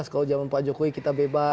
kalau zaman pak jokowi kita bebas